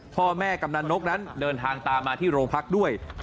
กำนันนกนั้นเดินทางตามมาที่โรงพักด้วย